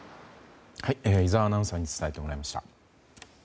井澤アナウンサーに伝えてもらいました。